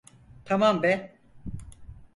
Tamam be!